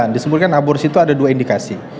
disebutkan aborsi itu ada dua indikasi